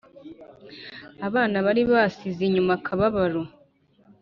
abana bari basize inyuma akababaro;